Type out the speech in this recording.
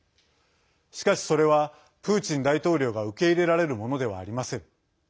しかし、それはプーチン大統領が受け入れられるものではありません。